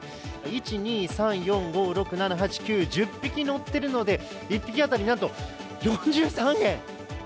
１、２、３、４、５、６、７、８、９、１０匹のっているので、１匹当たり６３円。